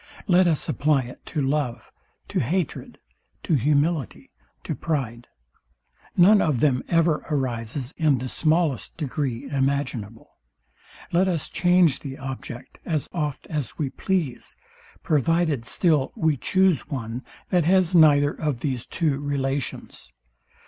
Let us apply it to love, to hatred, to humility, to pride; none of them ever arises in the smallest degree imaginable. Let us change the object, as oft as we please; provided still we choose one, that has neither of these two relations.